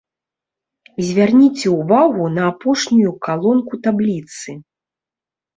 Звярніце ўвагу на апошнюю калонку табліцы.